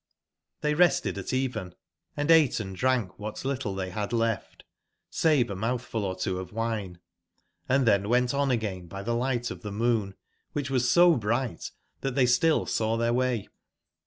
TThey rested at even, and ate <Si drank what little they had left, save a mouthful or two of wine, and then went on again by the light of the moon, which was so bright that they still saw their way.